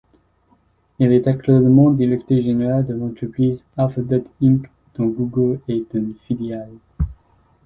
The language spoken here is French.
Il est actuellement directeur général de l'entreprise Alphabet Inc., dont Google est une filiale.